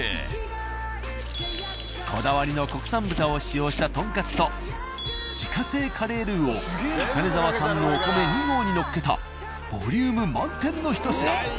こだわりの国産豚を使用した豚カツと自家製カレールーを高根沢産のお米２合にのっけたボリューム満点の１品。